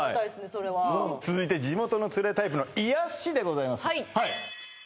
それは続いて地元のツレタイプの癒やしでございます